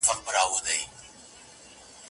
چي پاچا وي څوک په غېږ کي ګرځولی